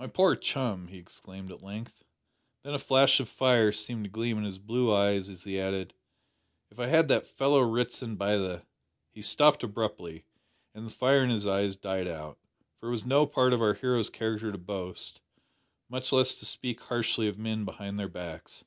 "My poor chum!" he exclaimed at length. Then a flash of fire seemed to gleam in his blue eyes as he added, "If I had that fellow Ritson by the " He stopped abruptly, and the fire in the eyes died out, for it was no part of our hero's character to boast much less to speak harshly of men behind their backs.